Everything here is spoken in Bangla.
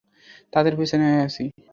তাদের পেছনেই আছি।